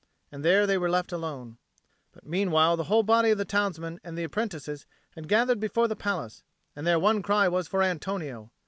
And there they were left alone. But meanwhile the whole body of the townsmen and the apprentices had gathered before the palace, and their one cry was for Antonio.